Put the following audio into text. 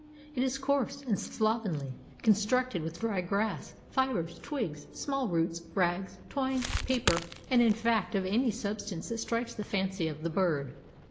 It is coarse and slovenly constructed with dry grass, fibers, twigs, small roots, rags, twine, paper and in fact of any substance that strikes the fancy of the bird.